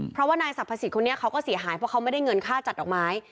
เพราะว่านายสรรพสิทธิคนนี้เขาก็เสียหายเพราะเขาไม่ได้เงินค่าจัดดอกไม้